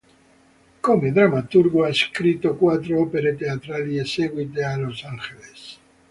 Come drammaturgo ha scritto quattro opere teatrali eseguite a Los Angeles.